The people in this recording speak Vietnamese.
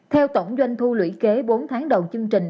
theo tổng doanh thu lũy kế bốn tháng đầu chương trình